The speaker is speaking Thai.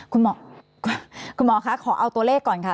คุณหมอขอเอาตัวเลขก่อนค่ะ